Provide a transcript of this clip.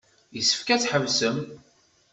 Yessefk ad tḥebsem.